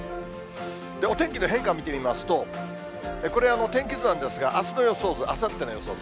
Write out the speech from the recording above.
お天気の変化見てみますと、これ、天気図なんですが、あすの予想図、あさっての予想図。